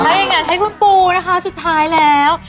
ถ้าอย่างนั้นให้คุณปูนะคะสุดท้ายแล้ว